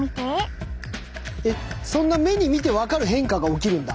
えっそんな目に見て分かる変化が起きるんだ。